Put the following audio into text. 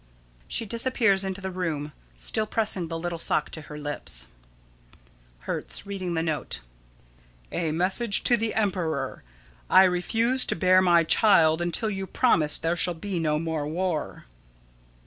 [She disappears into the room, still pressing the little sock to her lips.] Hertz: [Reading the note.] "A Message to the Emperor: I refuse to bear my child until you promise there shall be no more war."